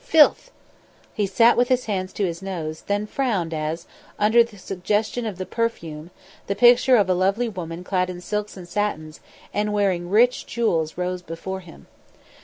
filth!" He sat with his hands to his nose, then frowned as, under the suggestion of the perfume, the picture of a lovely woman clad in silks and satins and wearing rich jewels rose before him.